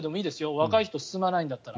若い人進まないんだったら。